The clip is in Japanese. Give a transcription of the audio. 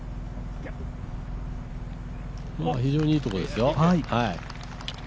非常にいいところですよ。